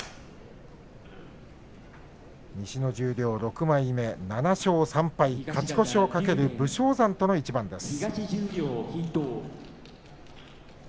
西の十両６枚目、７勝３敗勝ち越しを懸ける武将山との一番です。